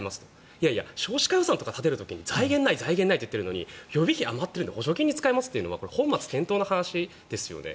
いやいや、少子化予算とか立てる時に財源ないって言っているのに予備費が余ってるから補助金に使いますって本末転倒の話ですよね。